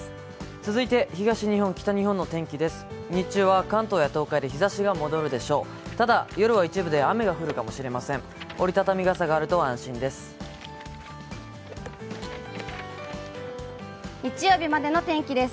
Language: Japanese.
続いて東日本、北日本の天気です。